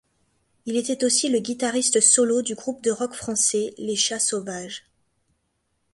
Il était aussi le guitariste solo du groupe de rock français Les Chats sauvages.